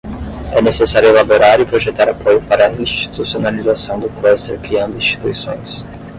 É necessário elaborar e projetar apoio para a institucionalização do cluster criando instituições.